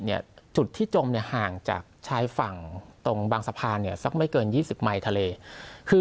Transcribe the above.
ถ้าจำไม่ผิดจุดที่จมห่างจากชายฝั่งตรงบางสะพานสักไม่เกิน๒๐ไมร์ทะเล